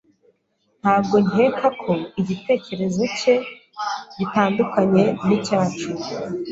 Ntabwo nkeka ko igitekerezo cye gitandukanye nicyacu.